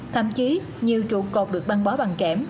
thậm chí nhiều trụ cột được băng bó bằng kẽm